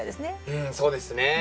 うんそうですね。